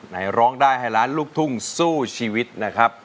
ร้องได้ให้ล้านลูกทุ่งสู้ชีวิตนะครับ